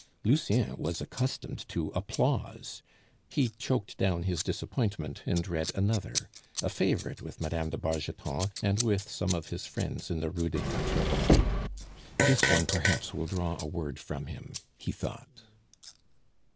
Lucien was accustomed to applause. He choked down his disappointment and read another, a favorite with Mme. de Bargeton and with some of his friends in the Rue des Quatre Vents. "This one, perhaps, will draw a word from him," he thought.